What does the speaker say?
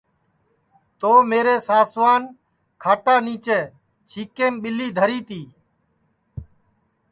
تو میرے ساسوان کھاٹا نیچے چھیکیم ٻیلی دھری تی